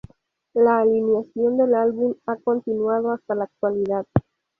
La alineación del álbum ha continuado hasta la actualidad.